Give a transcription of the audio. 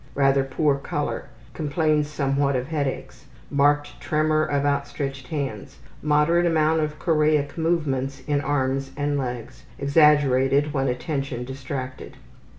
Rather poor color. Complains somewhat of headaches. Marked tremor of outstretched hands. Moderate amount of choreic movements in arms and legs, exaggerated when attention distracted.